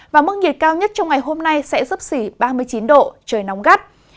và mức nhiệt cao nhất trong ngày hôm nay sẽ giúp xỉ ba mươi chín độ trời nóng gắt